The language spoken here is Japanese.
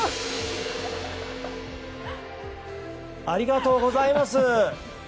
ありがとうございます。